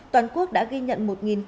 toàn quốc đã ghi nhận